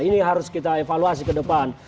ini harus kita evaluasi ke depan